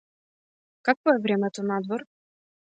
Какво е времето надвор?